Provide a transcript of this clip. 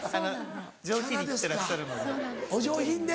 上品に生きてらっしゃるので。